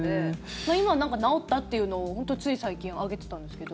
まあ、今は治ったっていうのを本当につい最近上げてたんですけど。